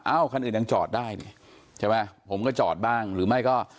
คันอื่นยังจอดได้นี่ใช่ไหมผมก็จอดบ้างหรือไม่ก็